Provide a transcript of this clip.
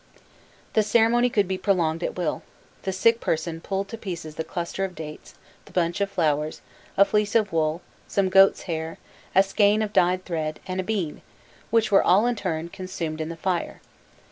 The ceremony could be prolonged at will: the sick person pulled to pieces the cluster of dates, the bunch of flowers, a fleece of wool, some goats' hair, a skein of dyed thread, and a bean, which were all in turn consumed in the fire.